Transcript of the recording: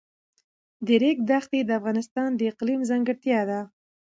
د ریګ دښتې د افغانستان د اقلیم ځانګړتیا ده.